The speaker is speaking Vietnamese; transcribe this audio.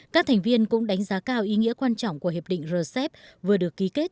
các thành viên cũng đánh giá cao ý nghĩa quan trọng của hiệp định rcep vừa được ký kết